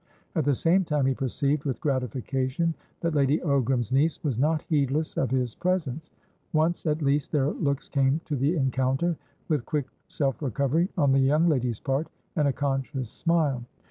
At the same time he perceived, with gratification, that Lady Ogram's niece was not heedless of his presence; once at least their looks came to the encounter, with quick self recovery on the young lady's part, and a conscious smile.